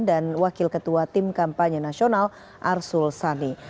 dan wakil ketua tim kampanye nasional arsul sani